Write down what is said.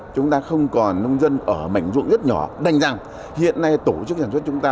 chúng ta không còn nông dân ở mảnh ruộng rất nhỏ đành rằng hiện nay tổ chức sản xuất chúng ta